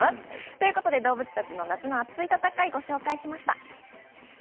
ということで動物たちの熱い戦いをご紹介しました。